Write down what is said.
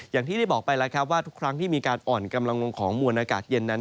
อย่างที่ได้บอกไปแล้วครับว่าทุกครั้งที่มีการอ่อนกำลังลงของมวลอากาศเย็นนั้น